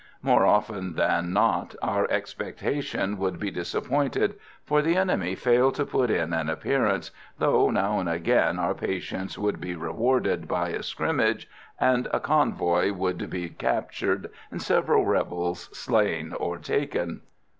More often than not our expectation would be disappointed, for the enemy failed to put in an appearance, though now and again our patience would be rewarded by a scrimmage, and a convoy would be captured and several rebels slain or taken.